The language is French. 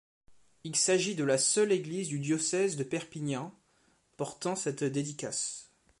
Il s'agit de la seule église du diocèse de Perpignan portant cette dédicace.